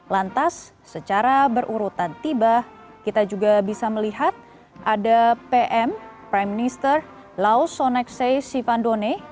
lantas secara berurutan tiba kita juga bisa melihat ada pm prime minister laosonexe sivandone